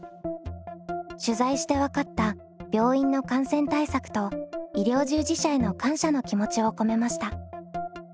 取材して分かった病院の感染対策と医療従事者への感謝の気持ちを込めました。